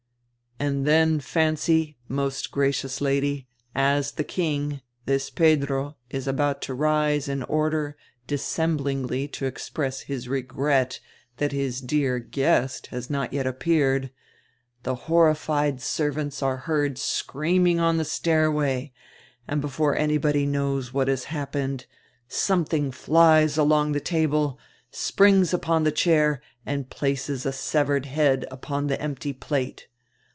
"And dien, fancy, most gracious Lady, as die king, this Pedro, is about to rise in order dissemblingly to express his regret diat his 'dear guest' has not yet appealed, die horrified servants are heard screaming on die stairway, and before anybody knows what has happened, somediing flies along die table, springs upon die chair, and places a severed head upon die empty plate.